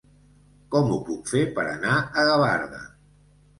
Com ho puc fer per anar a Gavarda?